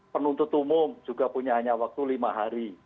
penuntut umum juga punya hanya waktu lima hari